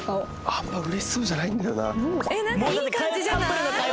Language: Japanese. あんま嬉しそうじゃないんだよな。